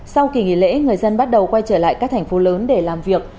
sau kỳ nghỉ lễ người dân bắt đầu quay trở lại các thành phố lớn để làm việc